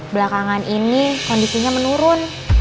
belakangan ini kondisinya menurun